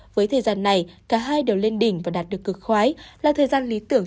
với thời gian này cả hai đều lên đỉnh và đạt được cực khoái là thời gian lý tưởng